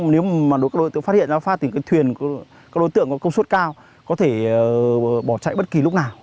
nếu đối tượng phát hiện ra phát thì đối tượng có công suất cao có thể bỏ chạy bất kỳ lúc nào